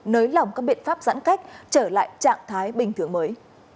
nới lỏng các biện pháp giãn cách trở lại trạng thái bình thường mới